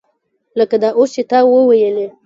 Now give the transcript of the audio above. لکه دا اوس چې تا وویلې.